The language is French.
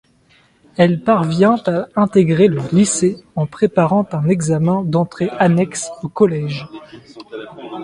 Elle parvient à intégrer le lycée en préparant un examen d'entrée annexe au collège.